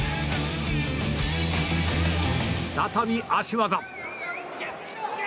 再び足技！